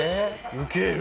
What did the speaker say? ウケる。